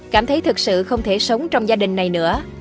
cảm thấy thực sự không thể sống trong gia đình này nữa